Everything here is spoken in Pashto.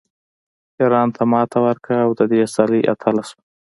ایران ته ماتې ورکړه او د دې سیالۍ اتله شوه